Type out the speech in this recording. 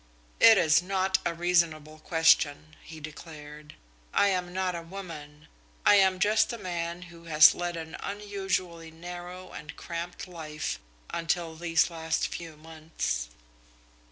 "It is not a reasonable question," he declared. "I am not a woman. I am just a man who has led an unusually narrow and cramped life until these last few months."